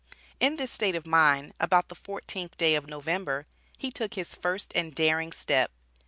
In this state of mind, about the fourteenth day of November, he took his first and daring step.